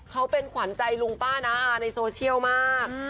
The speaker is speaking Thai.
เขาเป็นขวานใจลูกป้าที่โซเชียลมาก